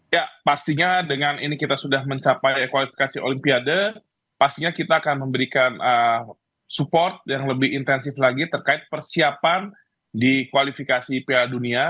ya pastinya dengan ini kita sudah mencapai kualifikasi olimpiade pastinya kita akan memberikan support yang lebih intensif lagi terkait persiapan di kualifikasi piala dunia